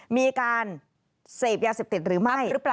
มีการเสธยาเสพเต็ดหรือไม่